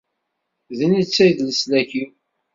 D netta i d leslak-iw.